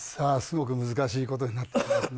すごく難しいことになって。